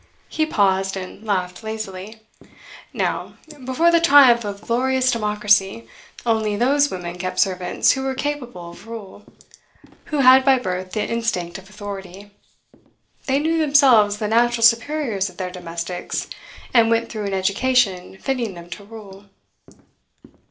He paused, and laughed lazily. 'Now, before the triumph of glorious Democracy, only those women kept servants who were capable of rule, who had by birth the instinct of authority. They knew themselves the natural superiors of their domestics, and went through an education fitting them to rule.